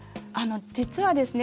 実はですね